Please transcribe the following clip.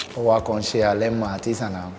เพราะว่ากองเชียร์เล่มมาที่สนาม